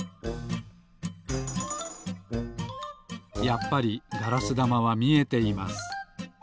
やっぱりガラスだまはみえています。